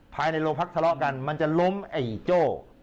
ภายในโรงพักทะเลาะกันมันจะล้มไอ้โจ้